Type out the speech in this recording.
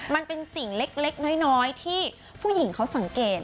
มันเป็นสิ่งเล็กน้อยที่ผู้หญิงเขาสังเกต